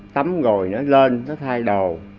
tắm rồi nó lên nó thay đồ